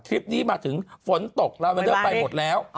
คลิปนี้มาถึงฝนตกลาวันเดอร์ไปหมดแล้ว